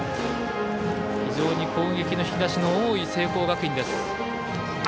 非常に攻撃の引き出しの多い聖光学院です。